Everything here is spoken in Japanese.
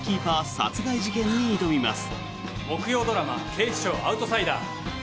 殺害事件に挑みます。